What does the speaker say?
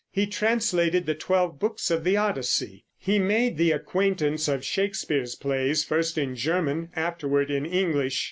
He translated the twelve books of the Odyssey. He made the acquaintance of Shakespeare's plays, first in German, afterward in English.